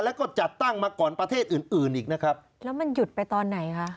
แล้วก็จัดตั้งมาก่อนประเทศอื่นอื่นอีกนะครับแล้วมันหยุดไปตอนไหนคะ